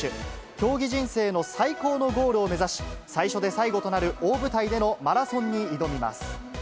競技人生の最高のゴールを目指し、最初で最後となる大舞台でのマラソンに挑みます。